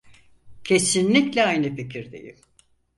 Kesinlikle aynı fikirdeyim.